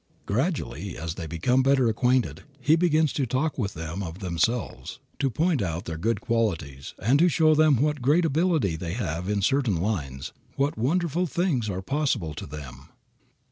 Gradually, as they become better acquainted, he begins to talk to them of themselves, to point out their good qualities, and to show them what great ability they have in certain lines, what wonderful things are possible to them.